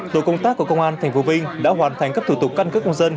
tổ công tác của công an tp vinh đã hoàn thành các thủ tục căn cước công dân